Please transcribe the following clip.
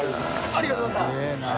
ありがとうございます！